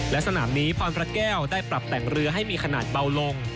และสนามนี้พรพระแก้วได้ปรับแต่งเรือให้มีขนาดเบาลง